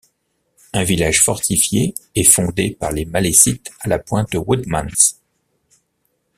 Un village fortifié est fondé par les Malécites à la pointe Woodmans.